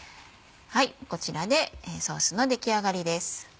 こちらでソースの出来上がりです。